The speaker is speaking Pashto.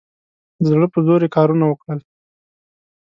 د زړه په زور یې کارونه وکړل.